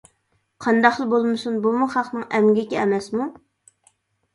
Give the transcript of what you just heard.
قانداقلا بولمىسۇن بۇمۇ خەقنىڭ ئەمگىكى ئەمەسمۇ؟ !